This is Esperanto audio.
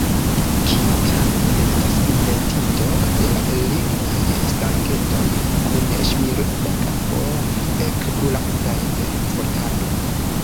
Kiu tamen estas inventinto de la lignaj stangetoj kun ŝmirita kapo, ekbrulantaj per frotado?